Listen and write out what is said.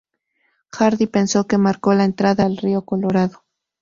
Hardy pensó que marcó la entrada al río Colorado.